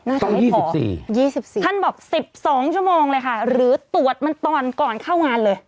น่าจะไม่พอ๒๔ท่านบอก๑๒ชั่วโมงเลยค่ะหรือตรวจมันตอนก่อนเข้างานเลย